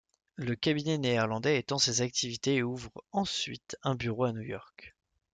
Le cabinet néerlandais étend ses activités et ouvre ensuite un bureau à New York.